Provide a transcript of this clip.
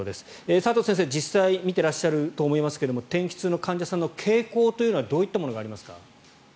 佐藤先生、実際に診てらっしゃると思いますが天気痛の患者さんの傾向どういったものがありますか？